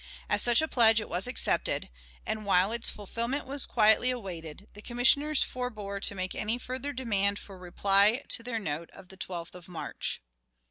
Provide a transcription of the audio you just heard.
As such a pledge, it was accepted, and, while its fulfillment was quietly awaited, the Commissioners forbore to make any further demand for reply to their note of the 12th of March.